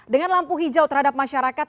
dengan lampu hijau terhadap masyarakat